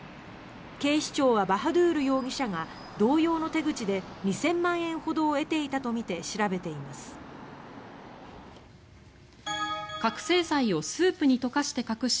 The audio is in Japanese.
警視庁はバハドゥール容疑者が同様の手口で２０００万円ほどを得ていたとみて調べています。